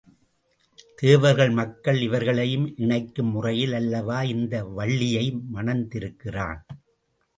தேவர்கள் மக்கள் இவர்களையும் இணைக்கும் முறையில் அல்லவா இந்த வள்ளியை மணந்திருக்கிறான்!